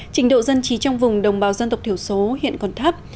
trình độ dân trí trong vùng đồng bào dân tộc thiểu số hiện còn thấp